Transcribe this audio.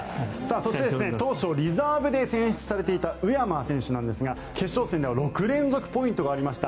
そして当初リザーブで選出されていた宇山選手なんですが、決勝戦では６連続ポイントがありました。